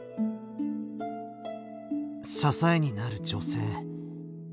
支えになる女性。